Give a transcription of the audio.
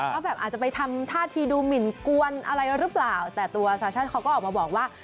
ว่าแบบอาจจะไปทำท่าทีดูหมินกวนอะไรหรือเปล่าแต่ตัวซาชันเขาก็ออกมาบอกว่า